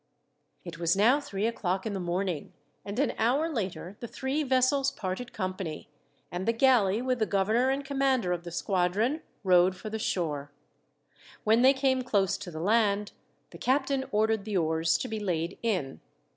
It was now three o'clock in the morning, and an hour later the three vessels parted company, and the galley with the governor and commander of the squadron rowed for the shore. When they came close to the land, the captain ordered the oars to be laid in.